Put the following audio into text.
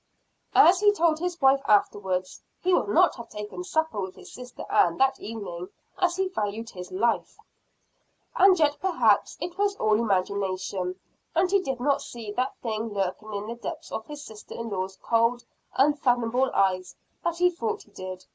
As he told his wife afterwards, he would not have taken supper with his sister Ann that evening as he valued his life. And yet perhaps it was all imagination and he did not see that thing lurking in the depths of his sister in law's cold, unfathomable eyes that he thought he did.